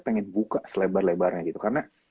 pengen buka selebar lebarnya gitu karena